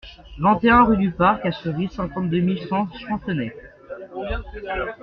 vingt et un rue du Parc À Cerises, cinquante-deux mille cent Chancenay